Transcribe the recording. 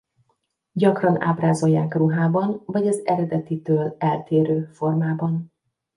Gyakran ábrázolják ruhában vagy az eredetitől eltérő formában.